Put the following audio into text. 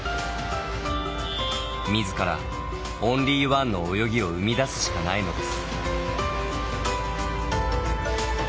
みずからオンリーワンの泳ぎを生み出すしかないのです。